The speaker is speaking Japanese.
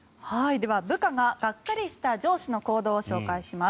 では、部下ががっかりした上司の行動を紹介します。